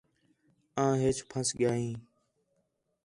آں ہیچ پھنس ڳِیا ہیں